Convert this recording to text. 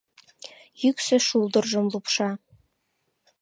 Йӱксӧ шулдыржым лупша